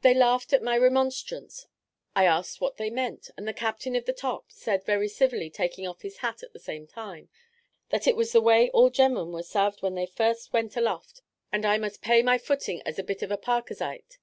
They laughed at my remonstrance. I asked what they meant, and the captain of the top said very civilly taking off his hat at the same time, "that it was the way all gemmen were sarved when they first went aloft; and I must pay my footing as a bit of a parkazite."